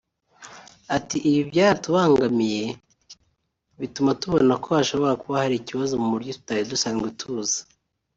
Ati “Ibi byaradukanguye bituma tubona ko hashobora kuba hari ikibazo mu buryo tutari dusanzwe tuzi